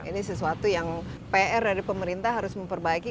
ini sesuatu yang pr dari pemerintah harus memperbaiki